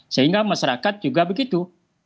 sehingga masyarakat juga begitu